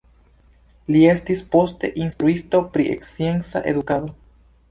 Li estis poste instruisto pri scienca edukado.